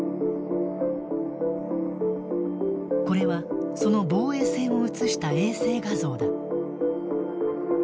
これは、その防衛線を写した衛星画像だ。